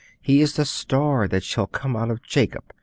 He is the Star that shall come out of Jacob.